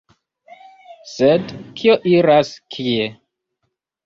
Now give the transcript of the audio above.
Sed kio iras kie?